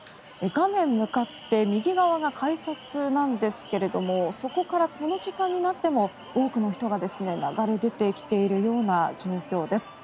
画面向かって右側が改札なんですけれどもそこからこの時間になっても多くの人が流れ出てきているような状況です。